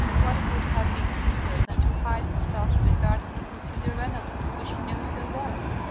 What would have been simpler than to hide himself in the garden of M. de Renal which he knows so well.